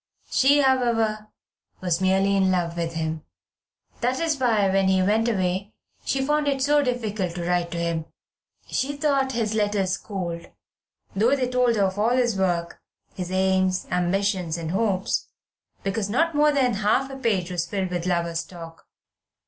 She, however, was merely in love with him. That was why, when he went away, she found it so difficult to write to him. She thought his letters cold, though they told her of all his work, his aims, ambitions, hopes, because not more than half a page was filled with lover's talk.